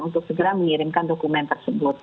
untuk segera mengirimkan dokumen tersebut